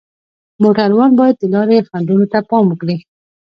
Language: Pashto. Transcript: موټروان باید د لارې خنډونو ته پام وکړي.